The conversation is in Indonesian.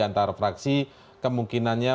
antara fraksi kemungkinannya